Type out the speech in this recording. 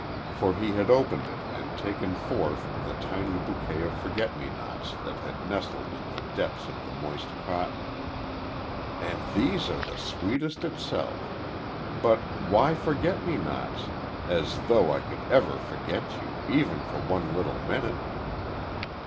For he had opened it, and taken forth the tiny bouquet of forget me nots that had nestled in the depths of the moist cotton, "and these are sweetness itself. But why forget me nots! As though I could ever forget you, even for one little minute!"